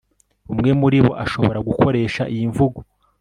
umwe muri bo ashobora gukoresha iyi mvugo